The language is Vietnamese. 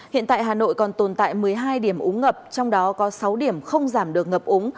hiện tại hà nội còn tồn tại một mươi hai điểm úng ngập trong đó có sáu điểm không giảm được ngập úng